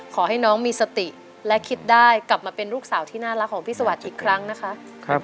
ขอให้น้องมีสติและคิดได้กลับมาเป็นลูกสาวที่น่ารักของพี่สวัสดิ์อีกครั้งนะคะ